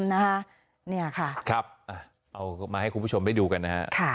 เอาเลยมาให้คุณผู้ชมไปดูกัน